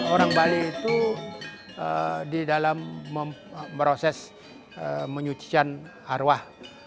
orang bali itu di dalam proses menyucikan arwah